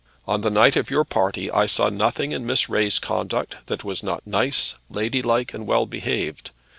On the night of your party I saw nothing in Miss Ray's conduct that was not nice, ladylike, and well behaved.